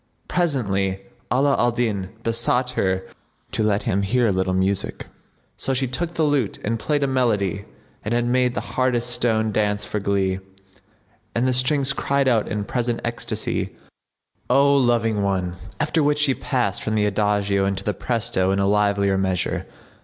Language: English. Presently Ala al Din besought her to let him hear a little music; so she took the lute and played a melody that had made the hardest stone dance for glee, and the strings cried out in present ecstacy, "O Loving One!'';[FN#69] after which she passed from the adagio into the presto and a livelier measure.